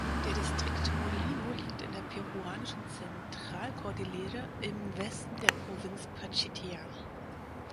Der Distrikt Molino liegt in der peruanischen Zentralkordillere im Westen der Provinz Pachitea.